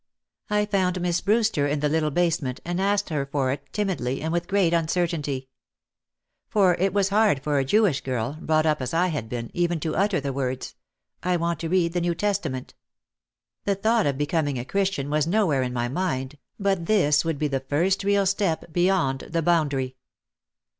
I found Miss Brewster in the little basement and asked her for it timidly and with great uncertainty. For it was hard for a Jewish girl, brought up as I had been, even OUT OF THE SHADOW 249 to utter the words, "I want to read the New Testament." The thought of becoming a Christian was nowhere in my mind, but this would be the first real step beyond the boundary.